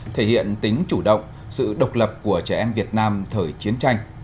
thể hiện tính chủ động sự độc lập của trẻ em việt nam thời chiến tranh